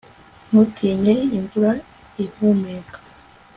ntutinye imva ihumeka